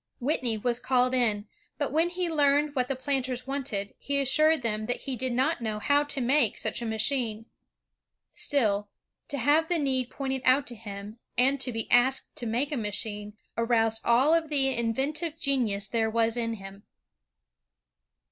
'' Whitney was called in, but when he learned what the planters wanted, he assured them that he did not know how to make such a machine. Still, to have the need pointed out to him, and to be asked to make a machine, aroused all of the inventive genius there was in him.